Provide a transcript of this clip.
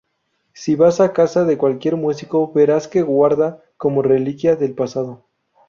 Si vas a casa de cualquier músico verás que guarda como reliquia del pasado